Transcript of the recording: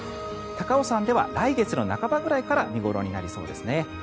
高尾山では来月の半ばくらいから見頃になりそうですね。